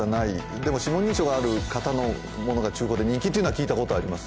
でも、指紋認証のある型のものが中古市場で人気というのは聞いています。